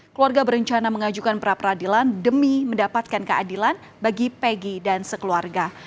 keluarga berencana mengajukan pra peradilan demi mendapatkan keadilan bagi pegi dan sekeluarga